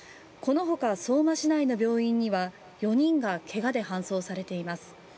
この他、相馬市内の病院には４人がけがで搬送されています。